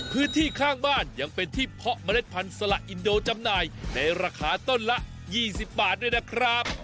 พื้นที่ข้างบ้านยังเป็นที่เพาะเมล็ดพันธุ์สละอินโดจำหน่ายในราคาต้นละ๒๐บาทด้วยนะครับ